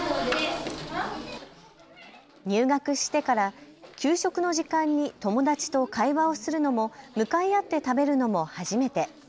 入学してから給食の時間に友達と会話をするのも向かい合って食べるのも初めて。